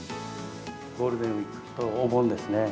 ゴールデンウィーク、お盆ですね。